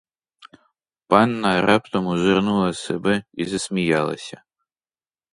Панна раптом озирнула себе й засміялася.